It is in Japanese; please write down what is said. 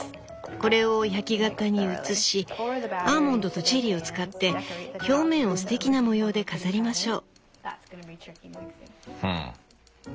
これを焼き型に移しアーモンドとチェリーを使って表面をすてきな模様で飾りましょう」。